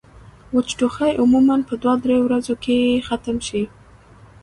وچ ټوخی عموماً پۀ دوه درې ورځې کښې ختم شي